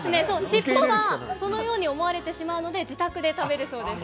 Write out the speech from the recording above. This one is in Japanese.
そのように思われてしまうので自宅で食べるそうです。